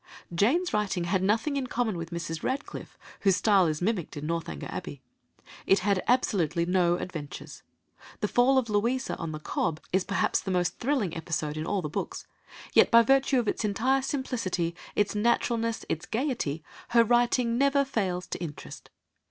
Jane's writing had nothing in common with Mrs. Radcliffe, whose style is mimicked in Northanger Abbey. It had absolutely no adventures. The fall of Louisa on the Cobb is perhaps the most thrilling episode in all the books, yet by virtue of its entire simplicity, its naturalness, its gaiety, her writing never fails to interest.